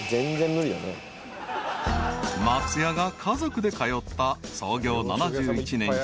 ［松也が家族で通った創業７１年。